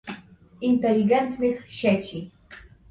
Inteligentnych Sieci